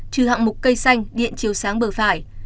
trừ hạng mục cây xanh điện chiều sáng bờ phải